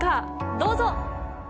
どうぞ！